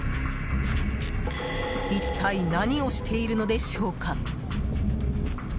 一体、何をしているのでしょうか。